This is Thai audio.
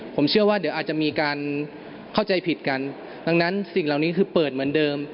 ผมเชื่อว่าเดี๋ยวอาจจะมีการเข้าใจผิดกันดังนั้นสิ่งเหล่านี้คือเปิดเหมือนเดิม